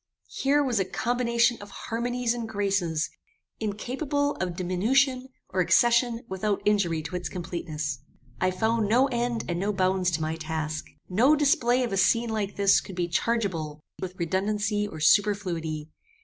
Here was a combination of harmonies and graces, incapable of diminution or accession without injury to its completeness. "I found no end and no bounds to my task. No display of a scene like this could be chargeable with redundancy or superfluity.